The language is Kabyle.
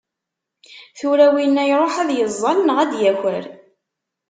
Tura winna iruḥ ad yeẓẓal neɣ ad d-yaker?